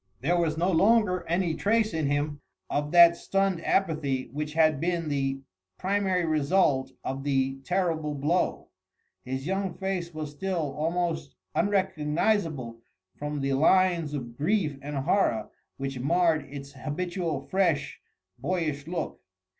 There was no longer any trace in him of that stunned apathy which had been the primary result of the terrible blow. His young face was still almost unrecognisable from the lines of grief and horror which marred its habitual fresh, boyish look.